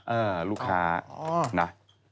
เออลูกค้านะ